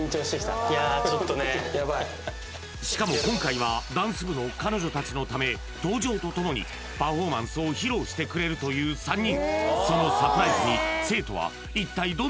しかも今回はダンス部の彼女たちのため、登場とともにパフォーマンスを披露してくれるという３人。